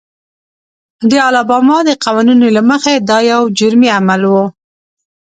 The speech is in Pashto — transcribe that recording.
د الاباما د قوانینو له مخې دا یو جرمي عمل و.